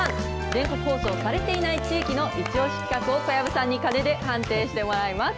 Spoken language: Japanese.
全国放送されていない地域の一押し企画を小籔さんに鐘で判定してもらいます。